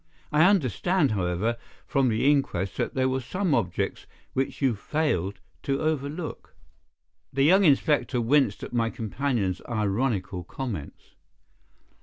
I understand, however, from the inquest that there were some objects which you failed to overlook?" The young inspector winced at my companion's ironical comments.